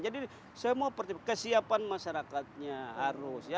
jadi semua persiapan masyarakatnya harus